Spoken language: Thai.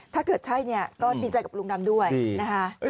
ถ้าเกิดใช่เนี่ยก็ดีใจกับลุงดำด้วยนะคะ